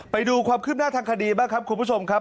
ไปดูความคืบหน้าทางคดีบ้างครับคุณผู้ชมครับ